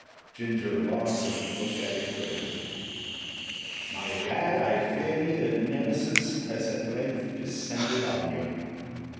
Ginger Lawson looked at him critically. ''My lad, I fear me that Nemesis has at length descended on you.